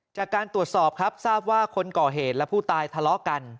จากการตรวจสอบครับทราบว่าคนก่อเหตุและผู้ตายทะเลาะกัน